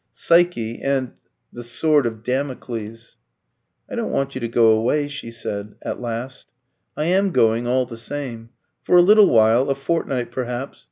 Psyche and the sword of Damocles. "I don't want you to go away," she said at last. "I am going, all the same. For a little while a fortnight perhaps.